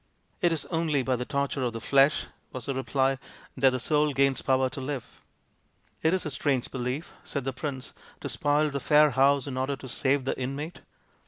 " It is only by the torture of the flesh," was the reply, " that the soul gains power to live." " It is a strange belief," said the prince, " to spoil the fair house in order to save its inmate."